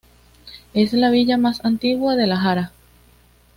Es la villa más antigua de La Jara.